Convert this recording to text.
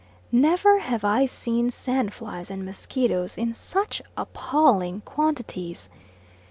Never have I seen sandflies and mosquitoes in such appalling quantities.